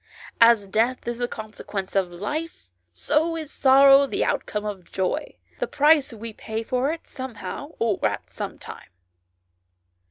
"As death is the consequence of life, so is sorrow the outcome of joy, the price we pay for it somehow or at sometime."